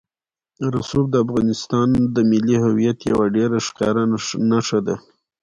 رسوب د افغانستان د ملي هویت یوه ډېره ښکاره نښه ده.